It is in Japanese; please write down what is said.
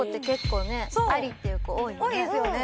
多いですよね。